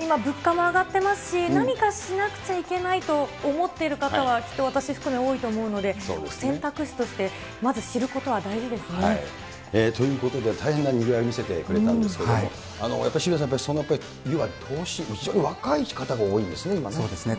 今、物価も上がってますし、何かしなくちゃいけないと思ってる方は、きっと私含め多いと思うので、選択肢として、まず知ることは大ということで、大変なにぎわいを見せてくれたんですけれども、やっぱり渋谷さん、いわゆる投資、非常に若い方が多いんですね、今ね。